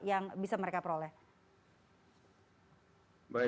yang bisa mereka peroleh